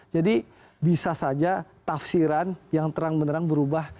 jadi bisa saja tafsiran yang terang menerang berubah